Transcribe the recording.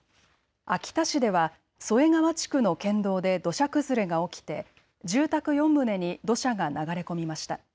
秋田市では添川地区の県道で土砂崩れが起きて、住宅４棟に土砂が流れ込みました。